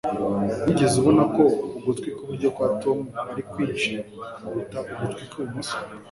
Wigeze ubona ko ugutwi kw'iburyo kwa Tom ari kwinshi kuruta ugutwi kw'ibumoso?